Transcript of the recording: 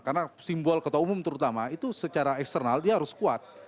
karena simbol ketua umum terutama itu secara eksternal dia harus kuat